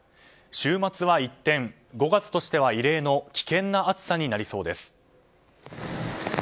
週末は一転５月としては異例の危険な暑さになりそうです。